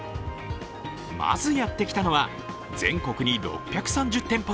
まずやってきたのは全国に６３０店舗